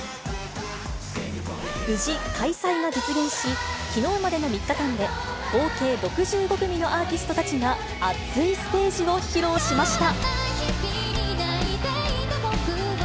無事開催が実現し、きのうまでの３日間で、合計６５組のアーティストたちが熱いステージを披露しました。